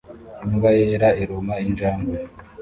Imbwa yera iruma injangwe